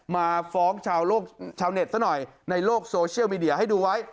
มาฟ้องชาวเน็ตซะหน่อยในโลกโซเชียลมีเดียให้ดูไว้